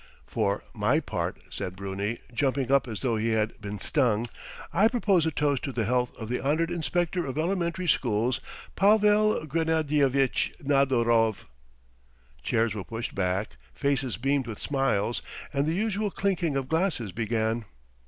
..." "For my part," said Bruni, jumping up as though he had been stung, "I propose a toast to the health of the honoured inspector of elementary schools, Pavel Gennadievitch Nadarov!" Chairs were pushed back, faces beamed with smiles, and the usual clinking of glasses began.